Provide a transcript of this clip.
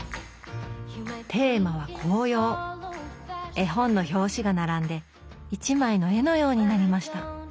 絵本の表紙が並んで一枚の絵のようになりました。